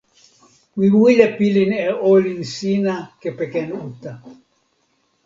mi wile pilin e olin sina kepeken uta.